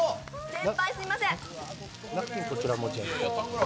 先輩、すいません。